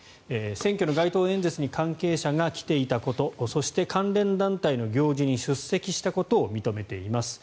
選挙の街頭演説に関係者が来ていたことそして関連団体の行事に出席したことを認めています。